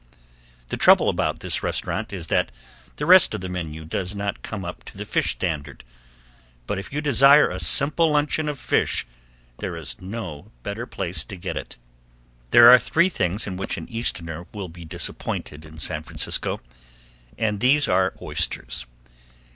The trouble about this restaurant is that the rest of the menu does not come up to the fish standard, but if you desire a simple luncheon of fish there is no better place to get it. There are three things in which an Easterner will be disappointed in San Francisco, and these are oysters.